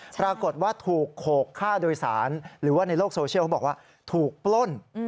ปรากฏว่าถูกโขกค่าโดยสารหรือว่าในโลกโซเชียลเขาบอกว่าถูกปล้น